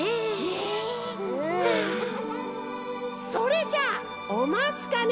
それじゃおまちかね